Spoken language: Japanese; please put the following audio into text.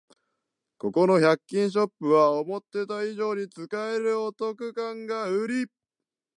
ここの百均ショップは思ってた以上に使えるお得感がウリ